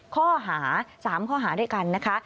ข้อหา๓ข้อหาด้วยกันนะคะ